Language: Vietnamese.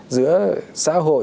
giữa xã hội